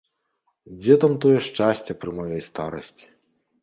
Дзе там тое шчасце пры маёй старасці?